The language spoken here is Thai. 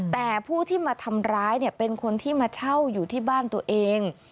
แต่ผู้ที่มาทำร้ายเนี่ยเป็นคนที่มาเช่าอยู่ที่บ้านตัวเอง